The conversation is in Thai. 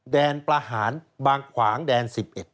แดนประหารบางขวางแดน๑๑